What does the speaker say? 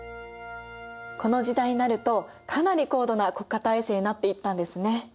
この時代になるとかなり高度な国家体制になっていったんですね。